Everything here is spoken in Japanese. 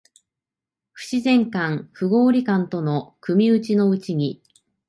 不自然感、不合理感との組打ちのうちに、